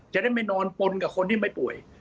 จะได้ไม่นอนปนกับคนที่ไม่ป่วย